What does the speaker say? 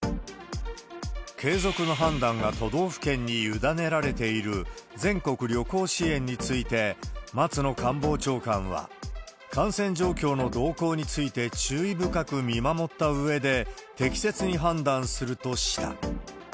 継続の判断が都道府県に委ねられている、全国旅行支援について、松野官房長官は、感染状況の動向について注意深く見守ったうえで、適切に判断するとした。